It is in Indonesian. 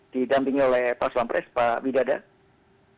didampingi oleh pak swampres pak bidadah